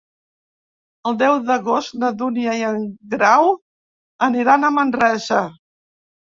El deu d'agost na Dúnia i en Grau aniran a Manresa.